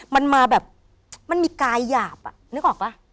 มันมาแบบมันมีกายหยาบอ่ะนึกออกป่ะ